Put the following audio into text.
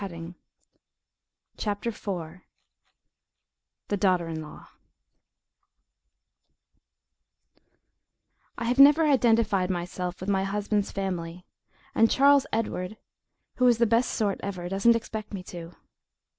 THE DAUGHTER IN LAW, by Mary Stewart Cutting I have never identified myself with my husband's family, and Charles Edward, who is the best sort ever, doesn't expect me to.